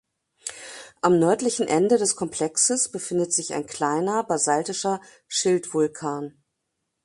Am nördlichen Ende des Komplexes befindet sich ein kleiner basaltischer Schildvulkan.